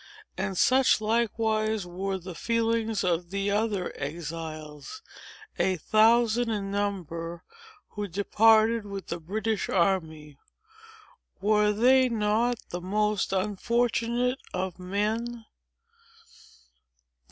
And such, likewise, were the feelings of the other exiles, a thousand in number, who departed with the British army. Were they not the most unfortunate of men?